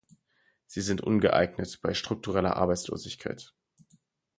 Sie sind ungeeignet bei strukureller Arbeitslosigkeit.